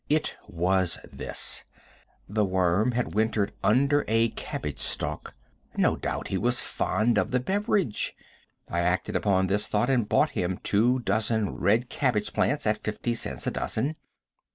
It was this: the worm had wintered under a cabbage stalk; no doubt he was fond of the beverage. I acted upon this thought and bought him two dozen red cabbage plants, at fifty cents a dozen.